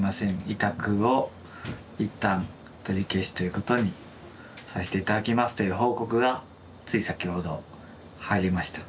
委託を一旦取り消しということにさして頂きます」という報告がつい先ほど入りました。